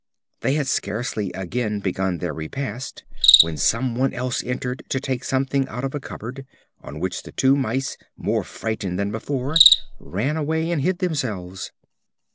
They had scarcely again begun their repast when some one else entered to take something out of a cupboard, on which the two Mice, more frightened than before, ran away and hid themselves.